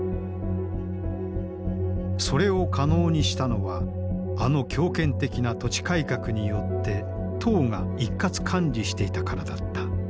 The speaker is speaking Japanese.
それを可能にしたのはあの強権的な土地改革によって党が一括管理していたからだった。